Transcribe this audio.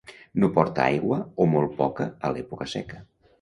No porta aigua o molt poca a l'època seca.